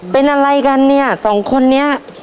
เป็นอะไรกันเนี่ยสองคนนี้